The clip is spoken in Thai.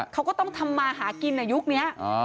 เขาก็ต้องทำมาหากินในยุคนี้